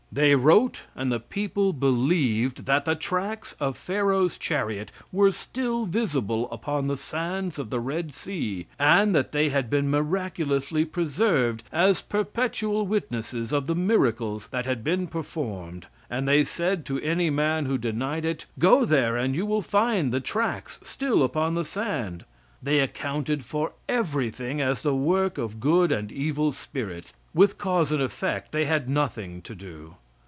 They wrote, and the people believed that the tracks of Pharaoh's chariot were still visible upon the sands of the Red Sea, and that they had been miraculously preserved as perpetual witnesses of the miracles that had been performed, and they said to any man who denied it, "Go there and you will find the tracks still upon the sand." They accounted for everything as the work of good and evil spirits; with cause and effect they had nothing to do.